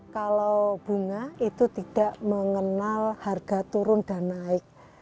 kalau bunga itu tidak mengenal harga turun dan naik